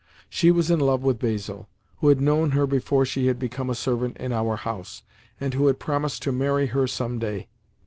She was in love with Basil, who had known her before she had become a servant in our house, and who had promised to marry her some day.